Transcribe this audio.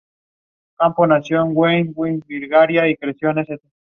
La caravana de camiones comenzó a atravesar las montañas que separan Irán de Irak.